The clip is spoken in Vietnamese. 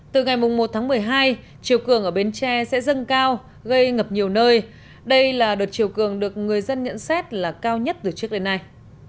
từ ngày một tháng một mươi hai chiều cường ở bến tre sẽ dâng cao gây ngập nhiều nơi đây là đợt chiều cường được người dân nhận xét là cao nhất từ trước đến nay